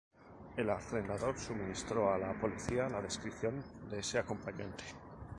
El arrendador suministró a la policía la descripción de ese acompañante.